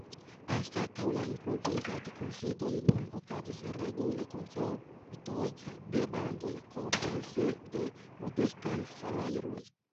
Anstataŭ la improvizad-kunsidoj nun okazis regule koncertoj de bandoj kompense de modestaj salajroj.